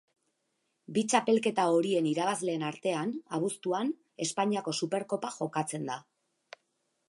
Bi txapelketa horien irabazleen artean, abuztuan, Espainiako Superkopa jokatzen da.